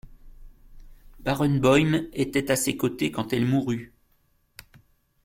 Barenboim était à ses côtés quand elle mourut.